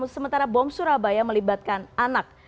sementara bom surabaya melibatkan anak